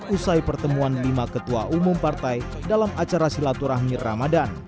usai pertemuan lima ketua umum partai dalam acara silaturahmi ramadan